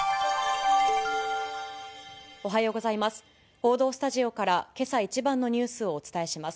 報道スタジオから、けさ一番のニュースをお伝えします。